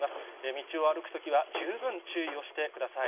道を歩くときは、十分注意をしてください。